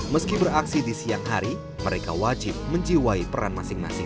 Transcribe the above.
meski beraksi di siang hari mereka wajib menjiwai peran masing masing